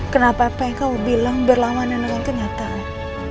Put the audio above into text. kenapa apa yang kamu bilang berlawanan dengan kenyataan